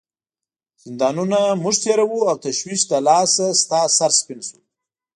زندانونه موږ تیروو او تشویش له لاسه ستا سر سپین شوی.